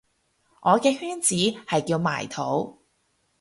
我嘅圈子係叫埋土